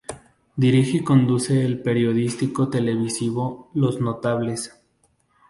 Dirige y conduce el periodístico televisivo Los notables.